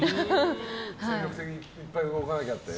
精力的にいっぱい動かなきゃって？